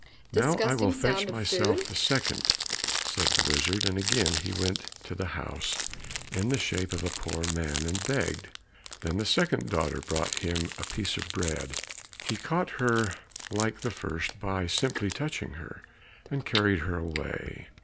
"Now I will fetch myself the second," said the wizard, and again he went to the house in the shape of a poor man, and begged. Then the second daughter brought him a piece of bread; he caught her like the first, by simply touching her, and carried her away.